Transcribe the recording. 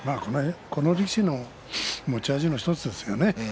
この力士の持ち味の１つですよね。